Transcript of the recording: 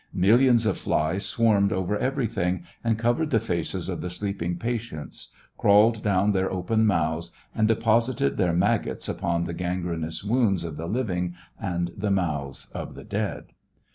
Millions of flies swarmed over everything and covered the faces of the sleeping patients, crawled down their open mouths, and deposited their maggots upon the gangrenous wounds of the living and the mouths of the dead.